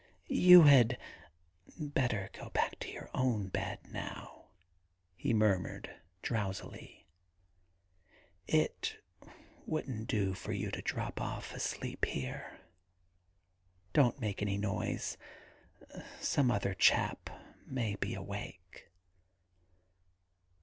*You had better go back to your own bed now,' he murmured drowsily. * It wouldn't do for you to drop off asleep here. Don't make any noise: some other chap may be awake.'